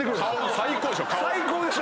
最高でしょ。